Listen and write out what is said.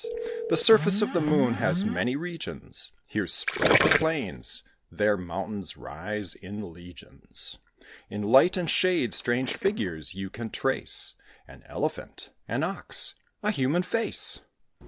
The surface of the moon has many regions, Here spread the plains, there mountains rise in legions. In light and shade strange figures you can trace An elephant, an ox, a human face.